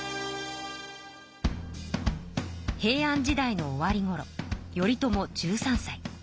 平安時代の終わりごろ頼朝１３さい。